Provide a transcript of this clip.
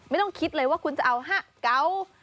ไม่ต้องคิดเลยว่าคุณจะเอาฮะเกา